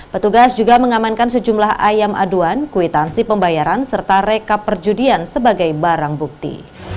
petugas juga mengamankan sejumlah ayam aduan kwitansi pembayaran serta rekap perjudian sebagai barang bukti